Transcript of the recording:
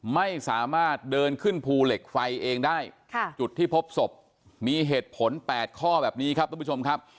ไม่สามารถเดินขึ้นภูเหล็กไฟเองได้จุดที่พบศพมีเหตุผล๘ข้อแบบนี้ครับทุกผู้ชมครับ